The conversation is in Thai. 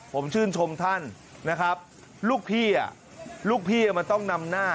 ผมชื่นชมท่านนะครับลูกพี่ลูกพี่มันต้องนำหน้า